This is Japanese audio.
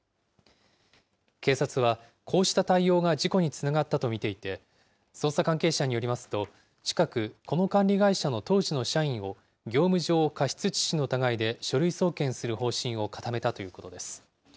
警察は、こうした対応が事故につながったと見ていて、捜査関係者によりますと、近く、この管理会社の当時の社員を業務上過失致死の疑いで書類送検する方針を固めたということです。